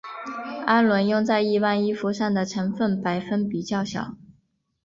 氨纶用在一般衣服上的成分百分比较小。